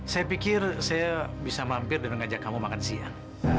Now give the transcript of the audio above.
saya pikir saya bisa mampir dan mengajak kamu makan siang